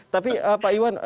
tapi pak iwan